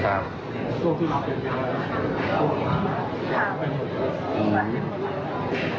เขาโทรบอก